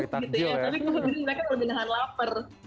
tapi kemudian mereka lebih nahan lapar